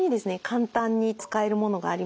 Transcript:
簡単に使えるものがあります。